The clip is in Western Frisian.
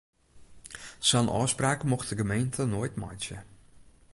Sa'n ôfspraak mocht de gemeente noait meitsje.